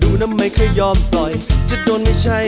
ดูนะไม่เคยยอมปล่อยจะโดนไม่ใช่น้อย